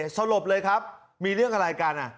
สลบเลยครับมีเรื่องอะไรกัน